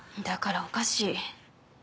だからおかしい。